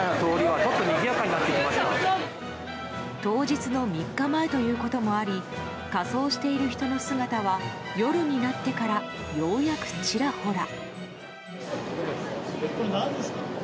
当日の３日前ということもあり仮装している人の姿は夜になってからようやくちらほら。